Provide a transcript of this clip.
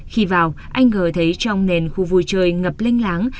khi vào anh g thấy trong nền khu vui chơi ngập linh láng